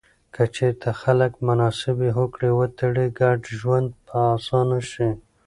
که چیرته خلک مناسبې هوکړې وتړي، ګډ ژوند به اسانه سي.